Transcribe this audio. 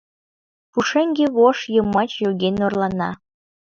Пушеҥге вож йымач йоген орлана.